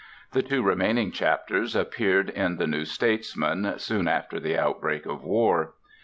The two remaining chapters appeared in the New Statesman, soon after the outbreak of war.